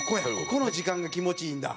ここの時間が気持ちいいんだ。